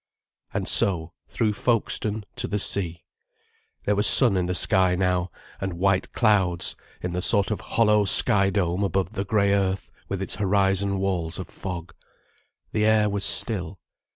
And so, through Folkestone to the sea. There was sun in the sky now, and white clouds, in the sort of hollow sky dome above the grey earth with its horizon walls of fog. The air was still.